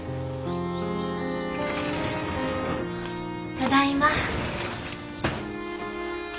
ただいま。